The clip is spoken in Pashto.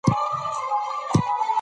زه به دا پوښتنه له شاهانو کوله.